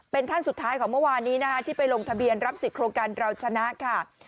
เป็นท่านสุดท้ายของเมื่อวานนี้นะคะที่ไปลงทะเบียนรับสิทธิโครงการเราชนะค่ะ